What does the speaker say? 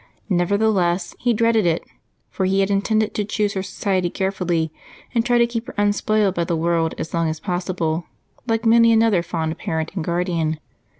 Nevertheless, he dreaded it, for he had intended to choose her society carefully and try to keep her unspoiled by the world as long as possible, like many another fond parent and guardian.